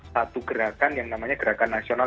satu gerakan yang namanya gerakan nasional